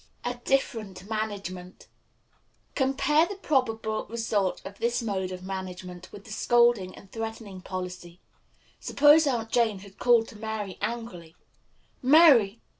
A Different Management. Compare the probable result of this mode of management with the scolding and threatening policy. Suppose Aunt Jane had called to Mary angrily, "Mary!